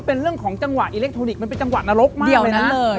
เป็นเรื่องของจังหวะอิเล็กทรอนิกส์มันเป็นจังหวะนรกมากเลยนั้นเลย